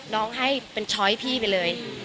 น้องให้เป็นช้อยพี่ไปเลย